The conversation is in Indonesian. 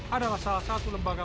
adalah salah satu lembaga